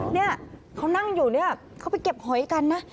เนี่ยเขานั่งอยู่เนี่ยเขาไปเก็บหอยกันนะ